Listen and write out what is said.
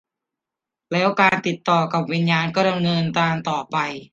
แล้วการติดต่อกับวิญญานก็ดำเนินต่อไป